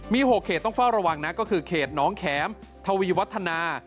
มี๖เขตต้องเฝ้าระวังนะก็คือเขตน้องแข็มทวีวัฒนา